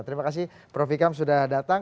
terima kasih prof ikam sudah datang